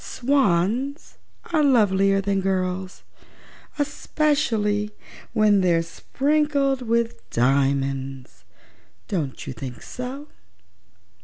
Swans are lovelier than girls, especially when they're sprinkled with diamonds. Don't you think so?"